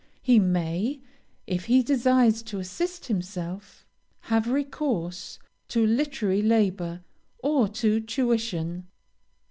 He may, if he desires to assist himself, have recourse to literary labor, or to tuition.